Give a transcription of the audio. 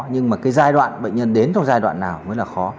nhưng mà cái giai đoạn bệnh nhân đến trong giai đoạn nào mới là khó